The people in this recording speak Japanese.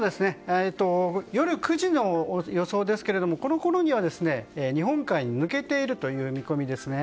夜９時の予想ですけどこのころには日本海に抜けている見込みです。